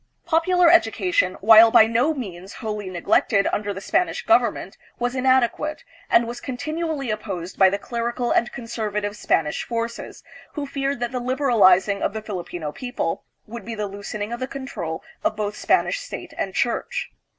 Popular education, while by no means wholly neglected under the Spanish government, was inadequate, and was continu ally opposed by the clerical and conservative Spanish forces, who feared that the liberalizing of the Filipino people would be the loosening of the control of both Spanish state and church.